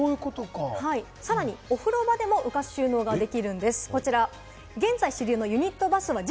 さらにお風呂場でも浮かす収納ができるんです。